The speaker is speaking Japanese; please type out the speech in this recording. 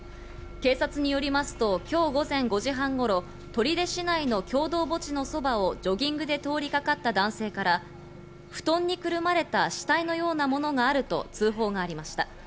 警察によりますと、今日午前５時半頃、取手市内の共同墓地のそばをジョギングで通りかかった男性から、布団にくるまれた死体のようなものがあると通報がありました。